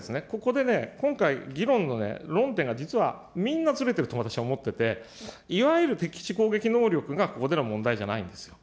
なので、ここでね、今回、議論の論点が実はみんなずれてると私は思ってて、いわゆる敵基地攻撃能力がここでの問題じゃないんですよ。